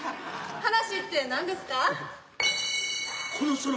話ってなんですか？